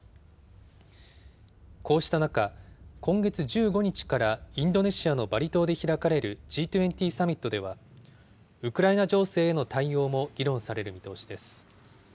こうした中、今月１５日からインドネシアのバリ島で開かれるＧ２０サミットでは、ウクライナ情勢への対応も議論される見通しです。